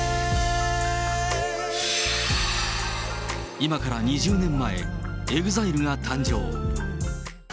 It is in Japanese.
今から２０年前、ＥＸＩＬＥが誕生。